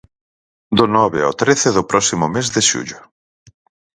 Do nove ao trece do próximo mes de xullo.